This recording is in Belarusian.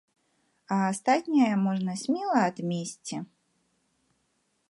А астатняе можна смела адмесці.